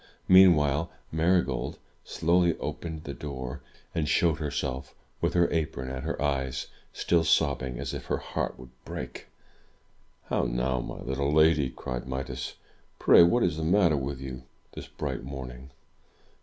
Meanwhile, Marygold slowly opened the door, and showed herself with her apron at 280 THROUGH FAIRY HALLS her eyes, still sobbing as if her heart would break. "How now, my little lady!'' cried Midas. "Pray what is the matter with you, this bright morning?"